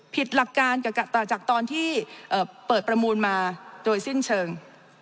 หลักการจากตอนที่เปิดประมูลมาโดยสิ้นเชิง